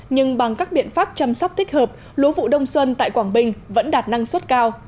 nhưng bằng các biện pháp chăm sóc thích hợp lúa vụ đông xuân tại quảng bình vẫn đạt năng suất cao